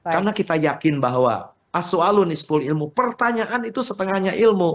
karena kita yakin bahwa asu alunis pul ilmu pertanyaan itu setengahnya